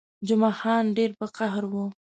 جمعه خان ډېر په قهر وو.